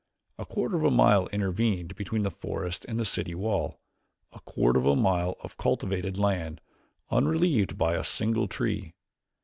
A quarter of a mile intervened between the forest and the city wall a quarter of a mile of cultivated land unrelieved by a single tree.